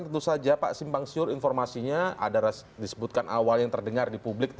tentu saja pak simpang siur informasinya ada disebutkan awal yang terdengar di publik